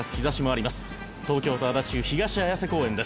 「東京都足立区東綾瀬公園です」